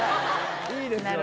いいですよね。